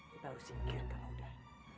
kita harus ikirkan udah